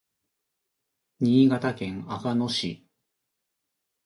新潟県阿賀野市